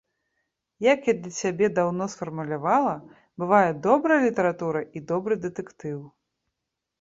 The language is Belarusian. Як я для сябе даўно сфармулявала, бывае добрая літаратура і добры дэтэктыў.